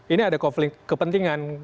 ini ada kepentingan